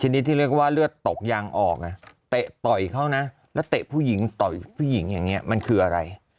ทีนี้ที่เรียกว่าเลือดตกยางออกเตะต่อยเขานะแล้วเตะผู้หญิงต่อยผู้หญิงอย่างนี้มันคืออะไร